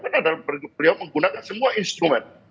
karena beliau menggunakan semua instrumen